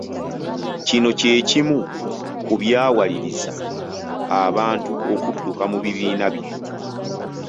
Kino kyekimu ku byawaliriza abantu okudduka mu bibiina bino.